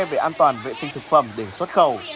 về an toàn vệ sinh thực phẩm để xuất khẩu